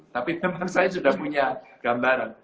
tapi memang saya sudah punya gambaran